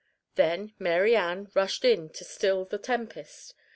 Then Mary Ann rushed in to still the tempest.